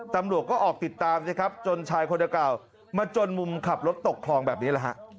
ตำรวจก็ออกติดตามสิครับจนชายคนดังกล่าวมาจนมุมขับรถตกคลองแบบนี้แหละฮะ